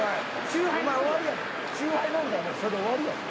チューハイ飲んだらもうそれで終わりやぞ。